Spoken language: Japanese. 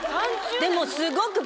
でも。